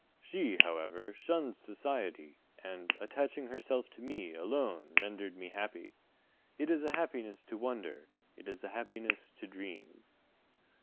She, however, shunned society, and, attaching herself to me alone rendered me happy. It is a happiness to wonder; it is a happiness to dream.